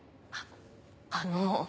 あの。